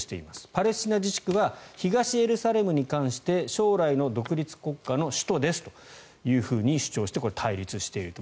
パレスチナ自治区は東エルサレムに関して将来の独立国家の首都ですと主張してこれ、対立していると。